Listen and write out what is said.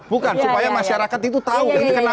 bukan supaya masyarakat itu tahu